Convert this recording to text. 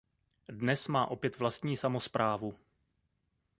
Dnes má opět vlastní samosprávu.